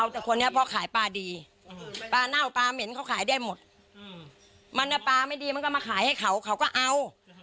ถ้าปลาไม่ดีมันก็มาขายให้เขาเขาก็เอา